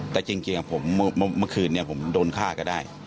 แต่จริงเมื่อคืนนี้ผมโดนฆ่าก็ได้